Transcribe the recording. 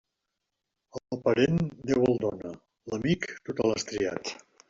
El parent, Déu el dóna; l'amic, tu te l'has triat.